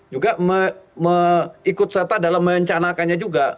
juga ikut serta dalam mencanakannya juga